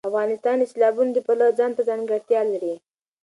افغانستان د سیلابونه د پلوه ځانته ځانګړتیا لري.